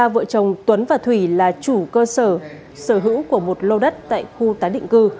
ba vợ chồng tuấn và thủy là chủ cơ sở sở hữu của một lô đất tại khu tái định cư